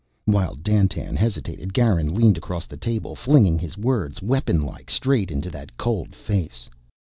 While Dandtan hesitated, Garin leaned across the table, flinging his words, weapon like, straight into that cold face.